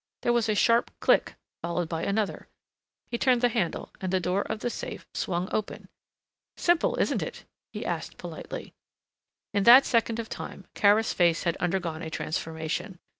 There was a sharp click followed by another. He turned the handle and the door of the safe swung open. "Simple, isn't it!" he asked politely. In that second of time Kara's face had undergone a transformation.